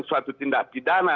suatu tindak pidana